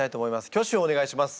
挙手をお願いします。